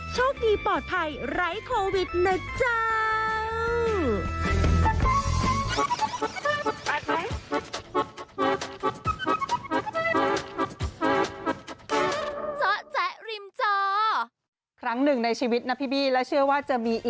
โชคดีปลอดภัยไร้โควิดนะจ้า